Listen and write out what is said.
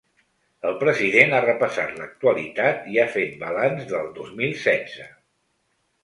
El president ha repassat l’actualitat i ha fet balanç del dos mil setze.